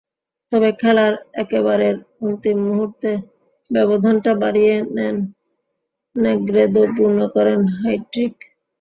তবে খেলার একেবারের অন্তিম মুহূর্তে ব্যবধানটা বাড়িয়ে নেন নেগ্রেদো, পূর্ণ করেন হ্যাটট্রিক।